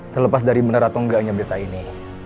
terlepas dari benar atau enggaknya beta ini